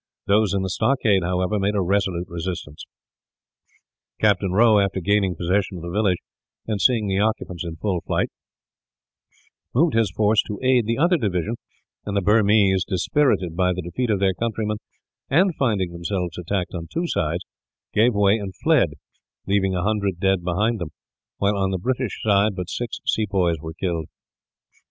Those in the stockade, however, made a resolute resistance. Captain Rowe, after gaining possession of the village, and seeing the occupants in full flight, moved his force to aid the other division; and the Burmese, dispirited by the defeat of their countrymen, and finding themselves attacked on two sides, gave way and fled, leaving a hundred dead behind them; while on the British side but six sepoys were killed.